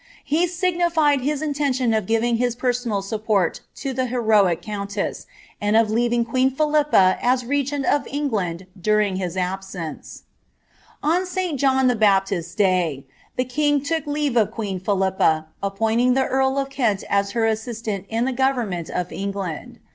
He signified bis triteiition of givinf tua persoual support to the heroic oounLees, and of IcBTiiig queen Pht^ ^JMi OS regent of England dtiring hia absence. ^^^p St John the Baptist's day, the king took leate of queen Philippa^ ^^^■ioting the earl of Kent as her assistant in the government of Eng ^^H.